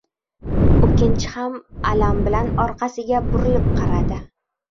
O‘kinch ham alam bilan orqasiga burilib qaradi: